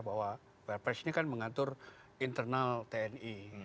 bahwa perpres ini kan mengatur internal tni